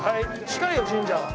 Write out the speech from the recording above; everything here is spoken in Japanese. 近いよ神社は。